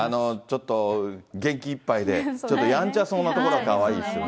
ちょっと元気いっぱいで、ちょっとやんちゃそうなところがかわいいですよね。